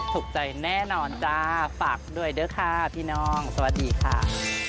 ถูกใจแน่นอนจ้าฝากด้วยเด้อค่ะพี่น้องสวัสดีค่ะ